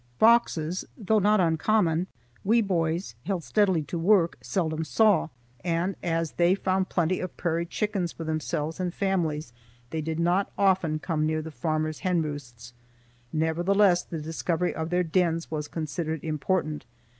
Foxes, though not uncommon, we boys held steadily to work seldom saw, and as they found plenty of prairie chickens for themselves and families, they did not often come near the farmer's hen roosts. Nevertheless the discovery of their dens was considered important.